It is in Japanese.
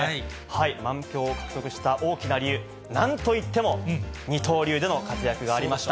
満票を獲得した大きな理由、なんといっても二刀流での活躍がありました。